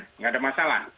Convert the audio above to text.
tidak ada masalah